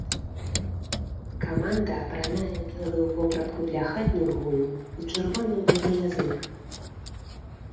Каманда апранае белую вопратку для хатніх гульняў і чырвоную для выязных.